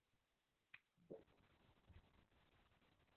বছরের জন্য।